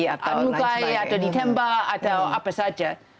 dilukai atau ditembak atau apa saja